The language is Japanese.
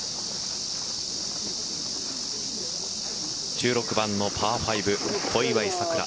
１６番のパー５小祝さくら